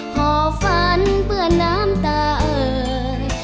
ห่อฝันเปื้อนน้ำตายเอ่ย